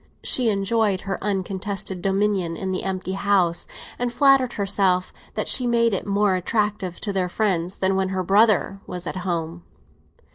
She enjoyed her uncontested dominion in the empty house, and flattered herself that she made it more attractive to their friends than when her brother was at home.